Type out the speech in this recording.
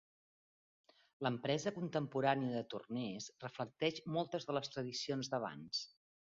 L'empresa contemporània de Turners reflecteix moltes de les tradicions d'abans.